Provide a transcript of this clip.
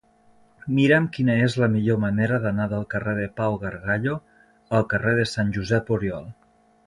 Mira'm quina és la millor manera d'anar del carrer de Pau Gargallo al carrer de Sant Josep Oriol.